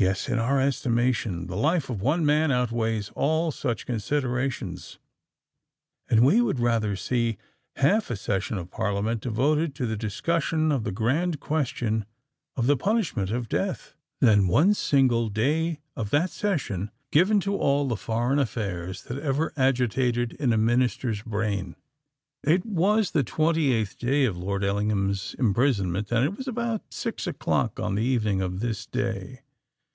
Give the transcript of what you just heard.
Yes—in our estimation, the life of one man outweighs all such considerations; and we would rather see half a session of Parliament devoted to the discussion of the grand question of the PUNISHMENT OF DEATH, than one single day of that session given to all the foreign affairs that ever agitated in a Minister's brain. It was the twenty eighth day of Lord Ellingham's imprisonment; and it was about six o'clock on the evening of this day.